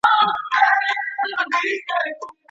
که ته د بریا لپاره ډېر وږی نه وې نو ماته خورې.